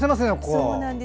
そうなんです。